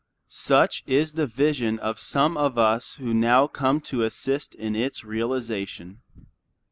Such is the vision of some of us who now come to assist in its realization.